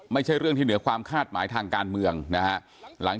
ไม่ใช่เรื่องที่เหนือความคาดหมายทางการเมืองนะฮะ